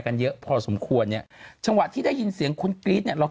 เยอะพอสมควรเนี่ยจังหวะที่ได้ยินเสียงคุณกรี๊ดเนี่ยเรา